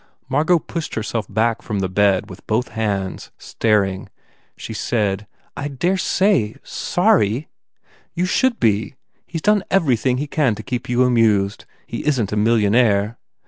Margot pushed her self back from the bed with both hands, staring. She said, "I I dare say. ... Sorry." "You should be !... He s done everything he can to keep you amused. He isn t a mil lionaire.